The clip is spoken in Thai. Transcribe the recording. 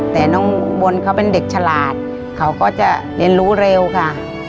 แต่น้องบนเขาเป็นเด็กฉลาดเขาก็จะเรียนรู้เร็วค่ะ